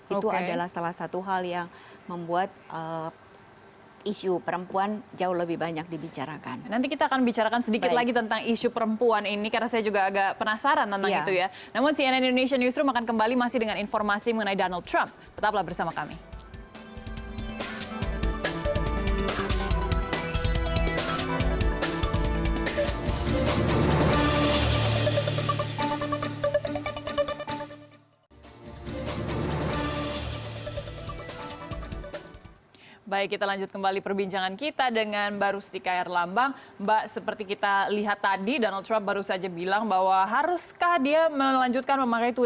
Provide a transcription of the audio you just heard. itu adalah salah satu hal yang membuat isu perempuan jauh lebih banyak dibicarakan